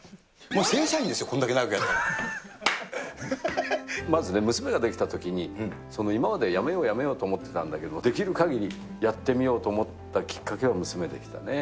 正社員ですよ、こんだけ長くやっまずね、娘ができたときに今までやめよう、やめようと思ってたんだけれども、できるかぎりやってみようと思ったきっかけは娘でしたね。